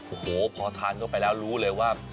โอ้โหพอทานเข้าไปแล้วรู้เลยว่า